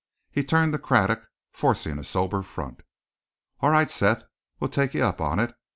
He turned to Craddock, forcing a sober front. "All right, Seth, we'll take you up on it.